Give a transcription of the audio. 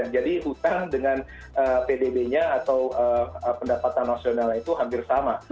jadi utang dengan pdb nya atau pendapatan nasionalnya itu hampir sama